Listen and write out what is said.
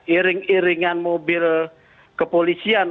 iring iringan mobil kepolisian